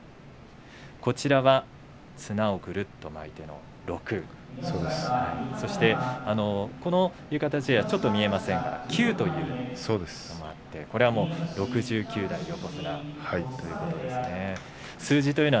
こちらは綱をぐるっと巻いての６この浴衣地はちらっと見えませんが９という数字も入っていてこれは６９という数字ですね。